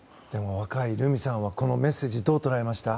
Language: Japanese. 若い瑠海さんはこのメッセージどう捉えました？